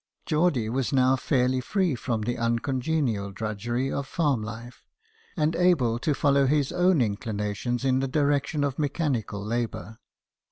Geordie was now fairly free from the uncongenial drudgery of farm life, and able to follow his own inclinations in the direction of mechanical labour.